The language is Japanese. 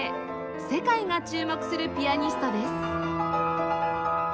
世界が注目するピアニストです